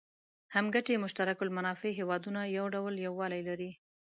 هم ګټي مشترک المنافع هېوادونه یو ډول یووالی لري.